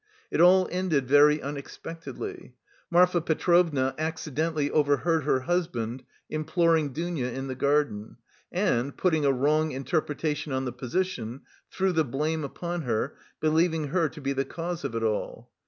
It all ended very unexpectedly. Marfa Petrovna accidentally overheard her husband imploring Dounia in the garden, and, putting quite a wrong interpretation on the position, threw the blame upon her, believing her to be the cause of it all.